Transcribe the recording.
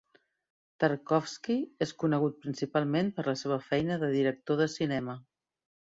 Tarkovsky és conegut principalment per la seva feina de director de cinema.